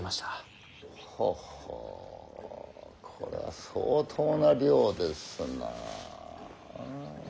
ほほうこれは相当な量ですな。